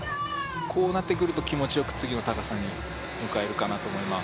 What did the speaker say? こうなってくると、気持ちよく次の高さに向かえるかなと思います。